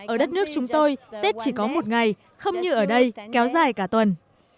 ở đất nước chúng tôi tết chỉ có một ngày không như ở đây kéo dài cả tuần